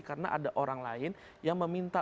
karena ada orang lain yang meminta